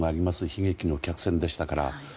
悲劇の客船でしたから。